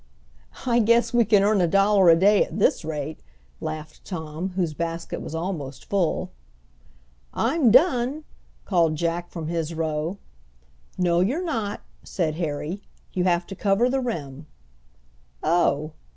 "I guess we can earn a dollar a day at this rate," laughed Tom, whose basket was almost full. "I'm done," called Jack from his row. "No, you're not," said Harry, "you have to cover the rim." "Oh!"